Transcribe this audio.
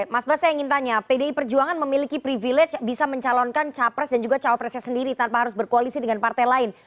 mas bas saya ingin tanya pdi perjuangan memiliki privilege bisa mencalonkan capres dan juga cawapresnya sendiri tanpa harus berkoalisi dengan partai lain